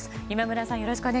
今村さん